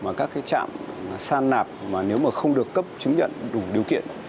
mà các trạm san nạp nếu không được cấp chứng nhận đủ điều kiện